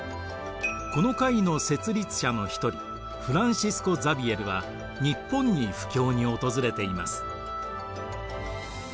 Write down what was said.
この会の設立者の一人フランシスコ・ザビエルは日本に布教に訪れています。